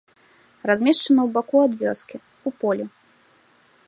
Размешчана ў баку ад вёскі, у полі.